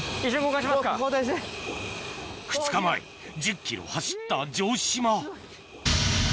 ２日前１０ｋｍ走った城島